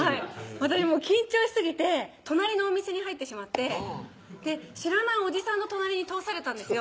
私緊張しすぎて隣のお店に入ってしまって知らないおじさんの隣に通されたんですよ